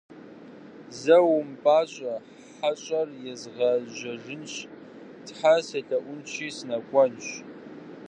Зэ умыпӀащӀэ, хьэщӀэр езгъэжьэжынщ, Тхьэ селъэӀунщи, сынэкӀуэнщ.